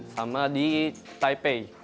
sama di taipei